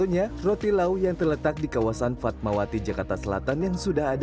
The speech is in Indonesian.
ya kayak gitu lah